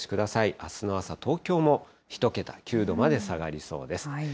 あすの朝、東京も１桁、９度まで下がりそうです。